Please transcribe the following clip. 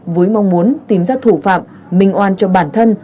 với mong muốn tìm ra thủ phạm minh oan cho bản thân